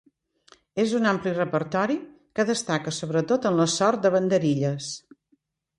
És un d'ampli repertori, que destaca sobretot en la sort de banderilles.